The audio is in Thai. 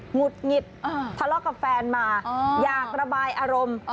หุดหงิดทะเลาะกับแฟนมาอยากระบายอารมณ์